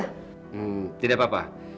hmm tidak apa apa